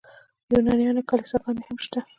د یونانیانو کلیساګانې هم شته.